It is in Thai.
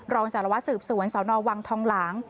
รองศาลวะสืบสวนสาวนอวังทองหลาง